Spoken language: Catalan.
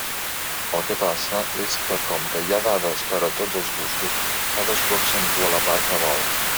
El que passa és que, com que hi ha dades per a tots els gustos, cadascú accentua la part que vol.